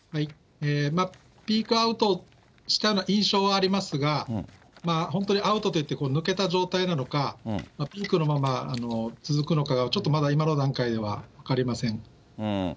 ピークアウトした印象はありますが、本当にアウトといって抜けた状態なのか、ピークのまま続くのかが、ちょっとまだ今の段階では分かりません。